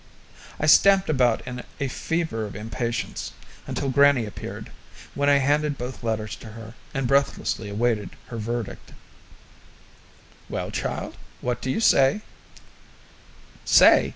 I stamped about in a fever of impatience until grannie appeared, when I handed both letters to her, and breathlessly awaited her verdict. "Well, child, what do you say?" "Say?